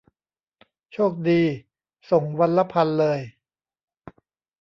โชคดี' ส่งวันละพันเลย